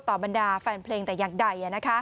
บรรดาแฟนเพลงแต่อย่างใด